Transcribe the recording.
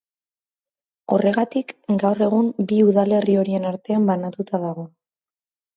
Horregatik gaur egun bi udalerri horien artean banatuta dago.